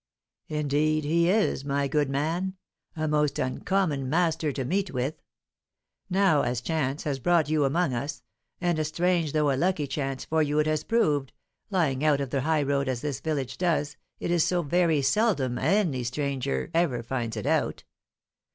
"Indeed he is, my good man, a most uncommon master to meet with. Now, as chance has brought you among us, and a strange though a lucky chance for you it has proved, lying out of the highroad as this village does, it is so very seldom any stranger ever finds it out.